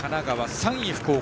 ３位、福岡。